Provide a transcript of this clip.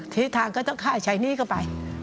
ทิศทางก็ต้องฆ่าใช่นี้ก็ไป